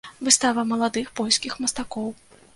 Выстава маладых польскіх мастакоў.